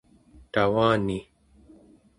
tavani